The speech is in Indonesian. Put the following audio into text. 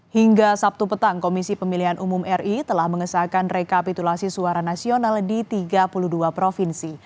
hingga sabtu petang komisi pemilihan umum ri telah mengesahkan rekapitulasi suara nasional di tiga puluh dua provinsi